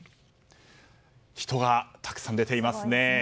人がたくさん出ていますね。